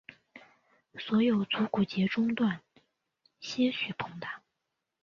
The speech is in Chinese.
所有足股节中段些许膨大。